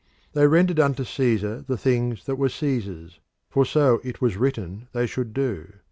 They rendered unto Caesar the things that were Caesar's, for so it was written they should do.